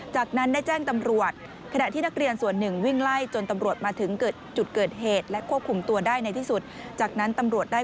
จากนั้นได้แจ้งตำรวจ